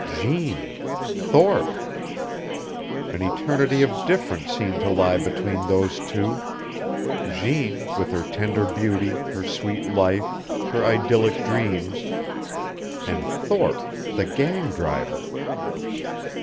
Jeanne Thorpe! An eternity of difference seemed to lie between those two Jeanne, with her tender beauty, her sweet life, her idyllic dreams, and Thorpe, the gang driver!